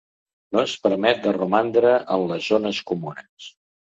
No es permet de romandre en les zones comunes.